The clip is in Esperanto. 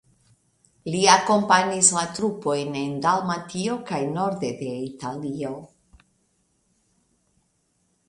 Li akompanis la trupojn en Dalmatio kaj norde de Italio.